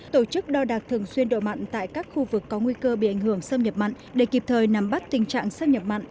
tổ chức đo đạc thường xuyên độ mặn tại các khu vực có nguy cơ bị ảnh hưởng sâm nhập mặn để kịp thời nắm bắt tình trạng xâm nhập mặn